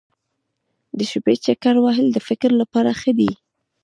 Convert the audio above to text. د شپې چکر وهل د فکر لپاره ښه دي.